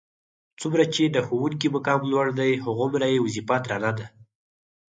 څومره چې د ښوونکي مقام لوړ دی هغومره یې وظیفه درنه ده.